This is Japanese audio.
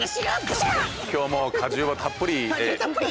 今日も果汁はたっぷりで。